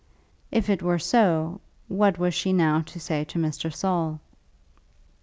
If it were so, what was she now to say to Mr. Saul?